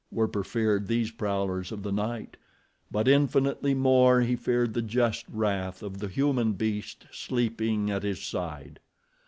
Werper feared these prowlers of the night; but infinitely more he feared the just wrath of the human beast sleeping at his side.